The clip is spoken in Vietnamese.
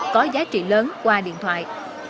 có giá trị lớn qua điện thoại